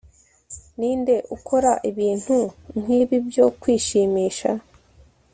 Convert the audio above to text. ninde ukora ibintu nkibi byo kwishimisha